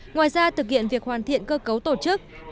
ngoài ra thực hiện việc hoàn thiện cơ cấu tổ chức